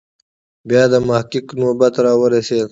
بیا د محقق نوبت راورسېد.